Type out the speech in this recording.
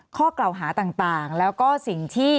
ข้อกล่าวหาต่างแล้วก็สิ่งที่